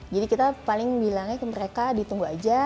jadi kita paling bilangnya ke mereka ditunggu aja